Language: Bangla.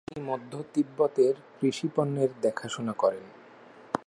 তিনি মধ্য তিব্বতের কৃষিপণ্যের দেখাশোনা করেন।